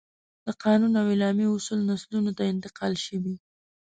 د قانون او اعلامیه اصول نسلونو ته انتقال شوي.